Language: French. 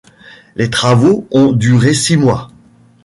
Les travaux ont duré six mois.